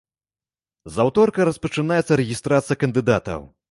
З аўторка распачынаецца рэгістрацыя кандыдатаў.